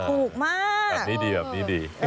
ถูกมากแบบนี้ดี